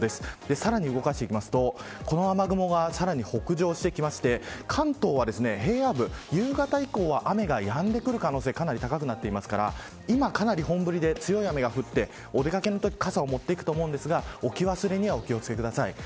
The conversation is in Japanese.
さらに動かしていくとこの雨雲はさらに北上していきまして関東は平野部夕方以降は雨がやんでくる可能性がかなり高まっているので今、かなり本降りで強い雨が降っていてお出掛けのときに傘を持っていくと思うんですが置き忘れにお気を付けください。